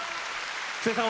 布施さん